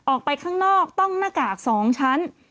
ออกไปข้างนอกต้องหน้ากาก๒ชั้น